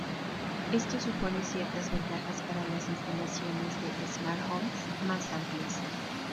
Esto supone ciertas ventajas para las instalaciones de Smart Homes más amplias.